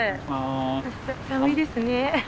寒いですねハハ。